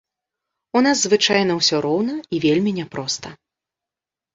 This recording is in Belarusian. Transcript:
У нас звычайна ўсё роўна і вельмі няпроста.